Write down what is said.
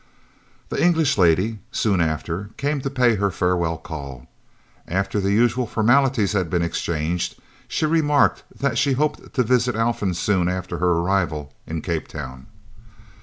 "The English lady" soon after came to pay her farewell call. After the usual formalities had been exchanged she remarked that she hoped to visit Alphen soon after her arrival in Cape Town.